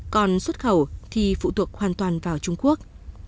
còn xuất khẩu thì phụ thuộc hoàn toàn vào trung quốc